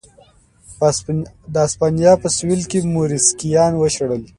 د هسپانیا په سوېل کې موریسکیان وشړل.